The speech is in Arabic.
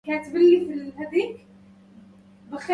البرازيل سمّيت بإسم شجرة.